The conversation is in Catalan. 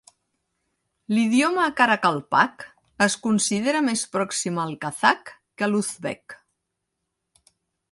L'idioma Karakalpak es considera més pròxim al kazakh que a l'uzbek.